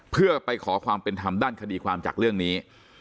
เพื่อไปขอความเป็นธรรมด้านคดีความจากเรื่องนี้